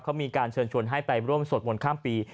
เขามีการเชิญชวนให้ไปร่วมสวดมนต์ข้ามปี